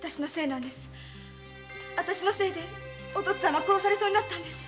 あたしのせいでおとっつぁんは殺されそうになったんです。